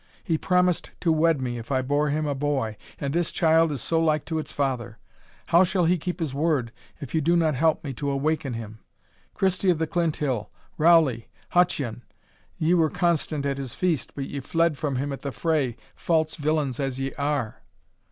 He promised to wed me if I bore him a boy, and this child is so like to its father! How shall he keep his word, if you do not help me to awaken him? Christie of the Clinthill, Rowley, Hutcheon! ye were constant at his feast, but ye fled from him at the fray, false villains as ye are!"